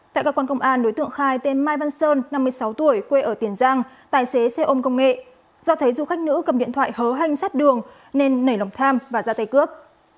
tại cơ quan công an đối tượng khai tên mai văn sơn năm mươi sáu tuổi quê ở tiền giang tài xế xe ôm công nghệ do thấy du khách nữ cầm điện thoại hớ hanh sát đường nên nảy lòng tham và ra tay cướp